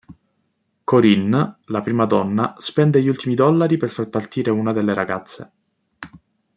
Corinne, la prima donna, spende gli ultimi dollari per far partire una delle ragazze.